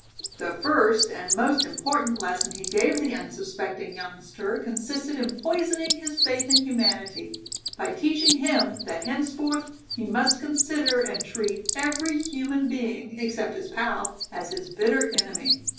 The first and most important lesson he gave the unsuspecting youngster consisted in poisoning his faith in humanity by teaching him that henceforth he must consider and treat every human being, except his pal, as his bitter enemy.